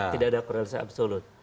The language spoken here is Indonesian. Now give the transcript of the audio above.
tidak ada korelasi absolut